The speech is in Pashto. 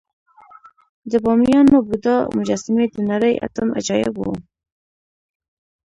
د بامیانو بودا مجسمې د نړۍ اتم عجایب وو